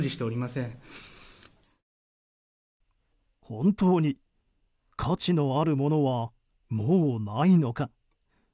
本当に価値のあるものはもうないのか。